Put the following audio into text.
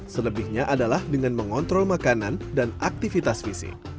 selebihnya adalah dengan mengontrol makanan dan aktivitas fisik